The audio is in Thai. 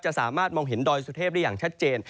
สามารถมองเห็นดอยสุเทพได้อย่างชัดเจน